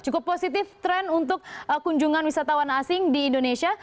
cukup positif tren untuk kunjungan wisatawan asing di indonesia